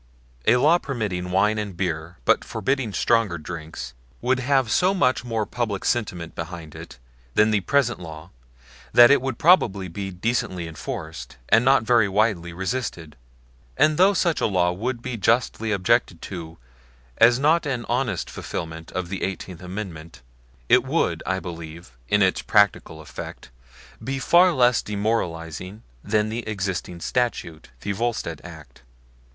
A law permitting wine and beer but forbidding stronger drinks would have so much more public sentiment behind it than the present law that it would probably be decently enforced, and not very widely resisted; and though such a law would be justly objected to as not an honest fulfilment of the Eighteenth Amendment, it would, I believe, in its practical effect, be far less demoralizing than the existing statute, the Volstead act.